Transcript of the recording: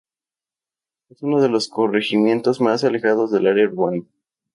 Es uno de los corregimientos más alejados del área urbana.